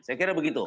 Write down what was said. saya kira begitu